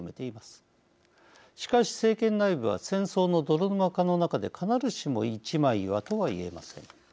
しかし政権内部は戦争の泥沼化の中で必ずしも一枚岩とはいえません。